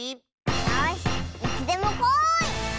よしいつでもこい！